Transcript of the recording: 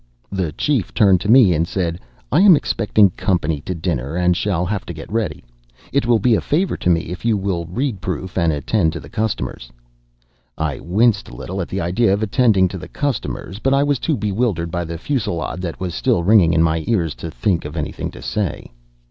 The chief turned to me and said, "I am expecting company to dinner, and shall have to get ready. It will be a favor to me if you will read proof and attend to the customers." I winced a little at the idea of attending to the customers, but I was too bewildered by the fusillade that was still ringing in my ears to think of anything to say.